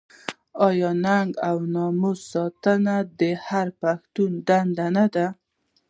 آیا ننګ او ناموس ساتل د هر پښتون دنده نه ده؟